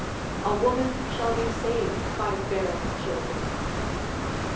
A woman shall be saved by bearing children.